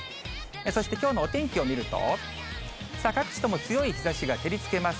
そしてきょうのお天気を見ると、さあ、各地とも強い日ざしが照りつけます。